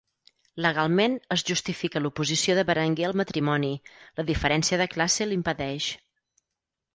Legalment, es justifica l'oposició de Berenguer al matrimoni: la diferència de classe l'impedeix.